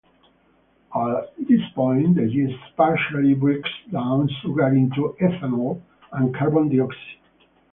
At this point, the yeast partially breaks down sugar into ethanol and carbon dioxide.